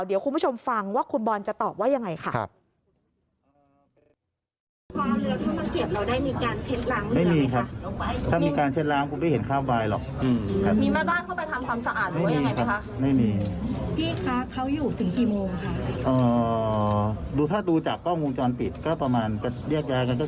เดี๋ยวคุณผู้ชมฟังว่าคุณบอลจะตอบว่ายังไงค่ะ